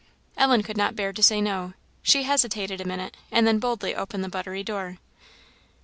Ellen could not bear to say no. She hesitated a minute, and then boldly opened the buttery door.